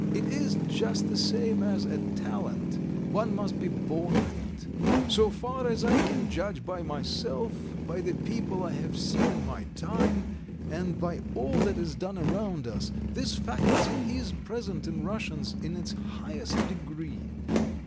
It is just the same as a talent, one must be born with it. So far as I can judge by myself, by the people I have seen in my time, and by all that is done around us, this faculty is present in Russians in its highest degree.